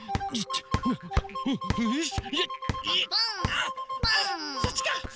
あそっちか！